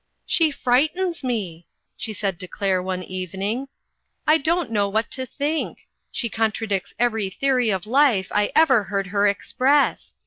"She frightens me," she said to Claire one evening, "I don't know what to think. She contradicts every theory of life I ever heard her express.